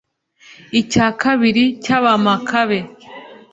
icya kabiri cy'abamakabe ,